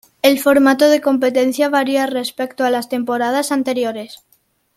El formato de competencia varía respecto a las temporadas anteriores.